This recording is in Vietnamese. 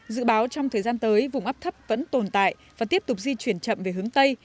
dự báo trong thời gian tới vùng áp thấp vẫn tồn tại và tiếp tục di chuyển chậm về hướng tây